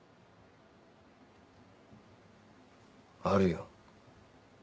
あるよ。